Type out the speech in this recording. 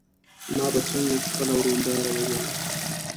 ما به څنګه خپله ورېنداره وژله.